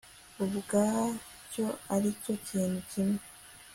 ubwacyo ari cyo kintu kimwe